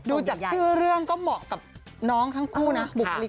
ดูจากชื่อเรื่องก็เหมาะกับน้องทั้งคู่นะบุคลิก